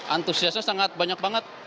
antusiasnya sangat banyak banget